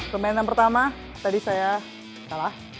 permainan pertama tadi saya kalah